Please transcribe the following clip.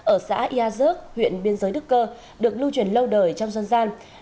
ở xã yà dước huyện biên giới đức cơ được lưu truyền lâu đời trong dân gian